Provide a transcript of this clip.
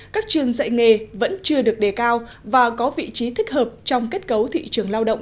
các trường dạy nghề vẫn chưa được đề cao và có vị trí thích hợp trong kết cấu thị trường lao động